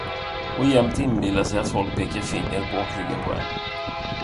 Och jämt inbilla sig att folk peka finger bak ryggen på en.